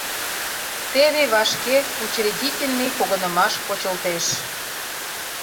Теве вашке Учредительный погынымаш почылтеш.